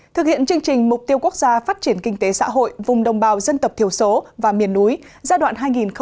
thực hiện chương trình mục tiêu quốc gia phát triển kinh tế xã hội vùng đồng bào dân tộc thiểu số và miền núi giai đoạn hai nghìn hai mươi một hai nghìn ba mươi